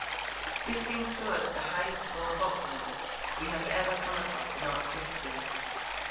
This seems to us the highest form of optimism we have ever come across in art criticism.